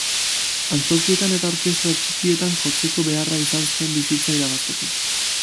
Antzokietan eta orkestra txikietan jotzeko beharra izan zuen bizitza irabazteko.